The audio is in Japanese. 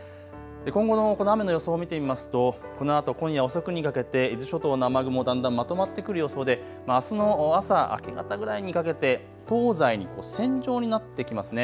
今後の雨の予想を見てみますとこのあと今夜遅くにかけて伊豆諸島の雨雲だんだんまとまってくる予想であすの朝、明け方ぐらいにかけて東西に線状になってきますね。